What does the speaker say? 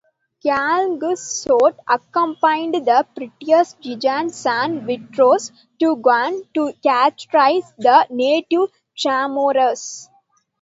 Calungsod accompanied the priest Diego San Vitores to Guam to catechize the native Chamorros.